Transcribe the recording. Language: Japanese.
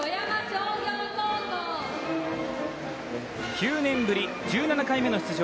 ９年ぶり１７回目の出場